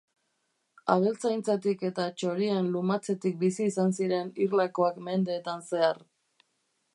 Abeltzaintzatik eta txorien lumatzetik bizi izan ziren irlakoak mendeetan zehar.